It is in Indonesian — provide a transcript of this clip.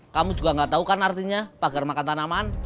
kamu juga gak tau kan artinya pagar makan tanaman